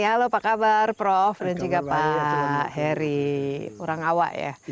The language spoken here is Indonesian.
halo pak kabar prof dan juga pak heri orang awa ya